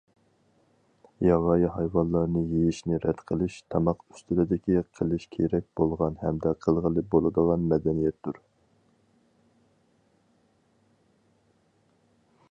ياۋايى ھايۋانلارنى يېيىشنى رەت قىلىش تاماق ئۈستىلىدىكى قىلىش كېرەك بولغان ھەمدە قىلغىلى بولىدىغان مەدەنىيەتتۇر.